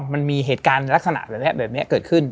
มันมีเหตุการณ์ลักษณะแบบนี้เกิดขึ้น